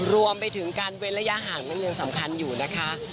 รวมไปถึงการเว้นระยะห่างนั้นยังสำคัญอยู่นะคะ